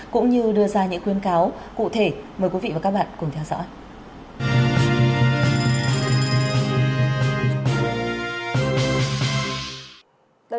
cũng như đưa ra những khuyến cáo cụ thể mời quý vị và các bạn cùng theo dõi